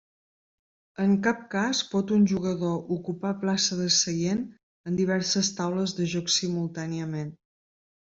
En cap cas pot un jugador ocupar plaça de seient en diverses taules de joc simultàniament.